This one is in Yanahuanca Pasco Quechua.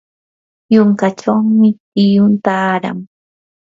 yunkachawmi tiyu taaran.